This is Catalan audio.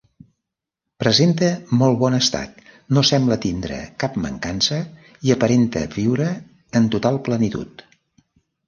Presenta molt bon estat, no sembla tindre cap mancança i aparenta viure en total plenitud.